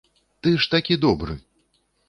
Ты ж такі добры.